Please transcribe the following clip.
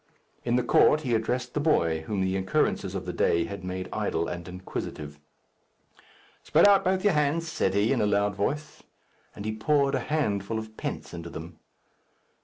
In the court he addressed the boy, whom the occurrences of the day had made idle and inquisitive. "Spread out both your hands," said he, in a loud voice. And he poured a handful of pence into them.